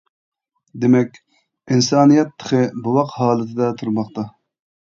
دېمەك، ئىنسانىيەت تېخى بوۋاق ھالىتىدە تۇرماقتا.